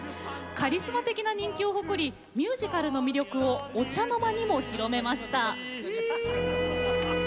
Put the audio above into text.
カリスマ的な人気を誇りミュージカルの魅力をお茶の間にも広めました。